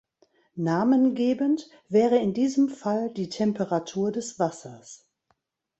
Namengebend wäre in diesem Fall die Temperatur des Wassers.